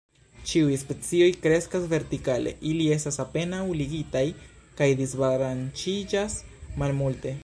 Ĉiuj specioj kreskas vertikale, ili estas apenaŭ ligitaj kaj disbranĉiĝas malmulte.